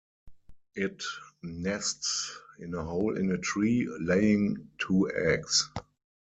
It nests in a hole in a tree, laying two eggs.